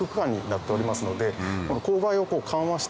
なっておりますので。